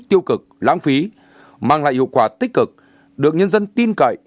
tiêu cực lãng phí mang lại hiệu quả tích cực được nhân dân tin cậy